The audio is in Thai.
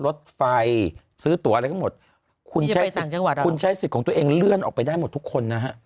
ลดไฟซื้อตัวอะไรก็หมดคุณใช้สิทธิ์ของตัวเองเลื่อนออกไปได้หมดทุกคนนะฮะ